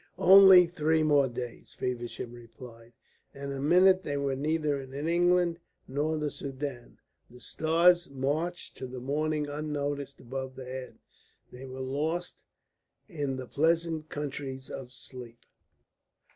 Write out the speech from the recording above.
"Only three more days," Feversham replied. And in a minute they were neither in England nor the Soudan; the stars marched to the morning unnoticed above their heads. They were lost in the pleasant countries of sleep.